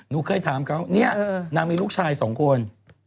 หนูเคยถามเขาเนี่ยนางมีลูกชายสองคน